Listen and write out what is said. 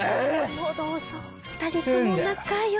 どうぞ２人とも仲よく。